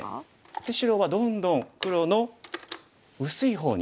で白はどんどん黒の薄い方に。